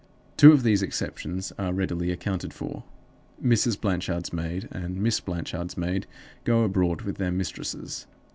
Two of these exceptions are readily accounted for: Mrs. Blanchard's maid and Miss Blanchard's maid go abroad with their mistresses.